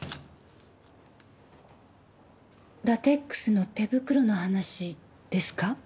ラテックスの手袋の話ですか？